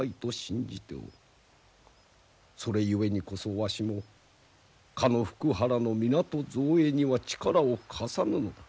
それゆえにこそわしもかの福原の港造営には力を貸さぬのだ。